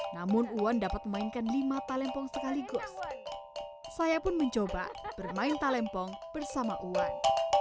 namun uan dapat memainkan lima talempong sekaligus saya pun mencoba bermain talempong bersama uan